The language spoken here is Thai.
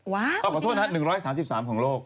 ว้าวจริงนะฮะขอโทษนะฮะ๑๓๓ของโลก